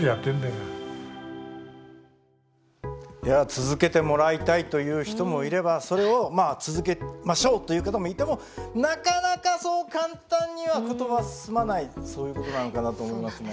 続けてもらいたいという人もいればそれを続けましょうという方もいてもなかなかそう簡単には事は進まないそういうことなのかなと思いますね。